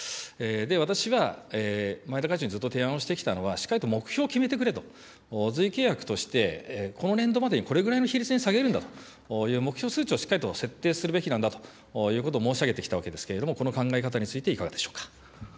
私が前田会長にずっと提案をしてきたのは、しっかりと目標を決めてくれと、随意契約として、この年度までにこれぐらいの比率に下げるんだという目標数値をしっかりと設定するべきなんだということを申し上げてきたわけですけれども、この考え方について、いかがでしょうか。